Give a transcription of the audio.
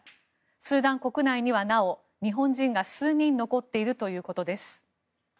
スーダン国内にはなお日本人が数人残っているということです。